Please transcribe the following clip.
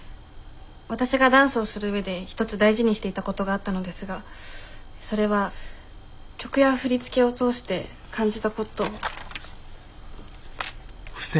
わたしがダンスをする上で一つ大事にしていたことがあったのですがそれは曲や振り付けを通して感じたことを。